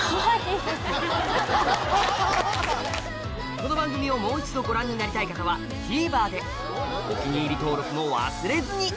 この番組をもう一度ご覧になりたい方はＴＶｅｒでお気に入り登録も忘れずに！